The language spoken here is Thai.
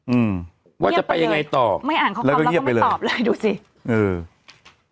อืมว่าจะไปยังไงต่อไม่อ่านข้อความแล้วก็เงียบไปเลยตอบเลยดูสิเออ